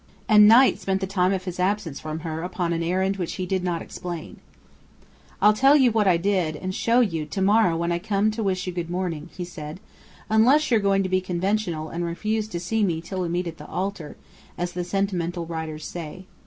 And Knight spent the time of his absence from her upon an errand which he did not explain. "I'll tell you what I did and show you to morrow when I come to wish you good morning," he said. "Unless you're going to be conventional and refuse to see me till we 'meet at the altar,' as the sentimental writers say.